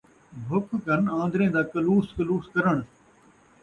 بھُک کن آن٘دریں دا close close کرݨ